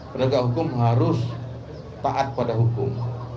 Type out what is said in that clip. penegak hukum harus taat pada hukum